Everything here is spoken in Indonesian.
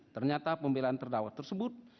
ternyata pembelaan terdakwa tersebut